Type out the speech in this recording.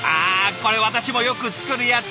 これ私もよく作るやつ！